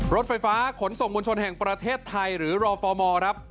รถไฟฟ้าขนส่งมวลชนแห่งประเทศไทยหรือรอฟอร์มอร์ครับ